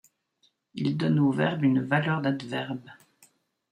Il donne au verbe une valeur d'adverbe.